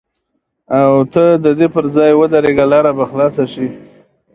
او ته د دې پر ځای ودرېږه لاره به خلاصه شي.